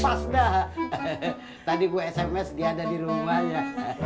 pas daha tadi gue sms dia ada di rumahnya